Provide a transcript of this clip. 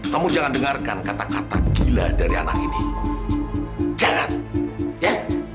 kamu jangan dengarkan kata kata gila dari anak ini